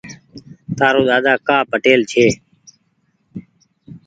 تآرو ۮاۮا ڪآ پٽيل ڇي ۔